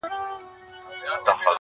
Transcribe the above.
• چي سړی به یې شعر نه سي بللای -